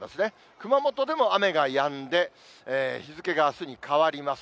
熊本でも雨がやんで、日付があすに変わります。